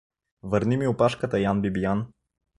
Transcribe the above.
— Върни ми опашката, Ян Бибиян!